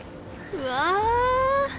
うわ。